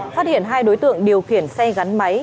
phát hiện hai đối tượng điều khiển xe gắn máy